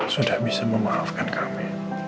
sudah bisa memaafkan kami